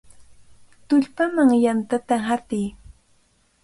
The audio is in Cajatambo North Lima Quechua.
¡Tullpaman yantata hatiy!